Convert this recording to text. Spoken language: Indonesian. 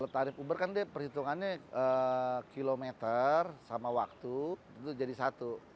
tarif uber kan dia perhitungannya kilometer sama waktu itu jadi satu